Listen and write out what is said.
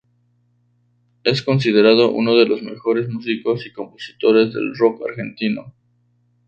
Es considerado uno de los mejores músicos y compositores del rock argentino.